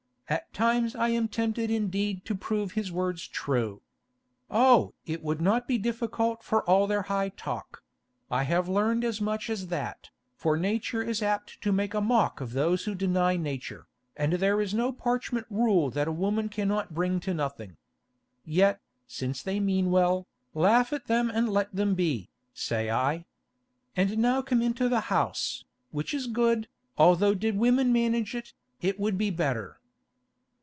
At times I am tempted indeed to prove his words true. Oh! it would not be difficult for all their high talk; I have learned as much as that, for Nature is apt to make a mock of those who deny Nature, and there is no parchment rule that a woman cannot bring to nothing. Yet, since they mean well, laugh at them and let them be, say I. And now come into the house, which is good, although did women manage it, it would be better."